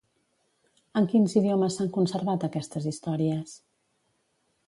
En quins idiomes s'han conservat aquestes històries?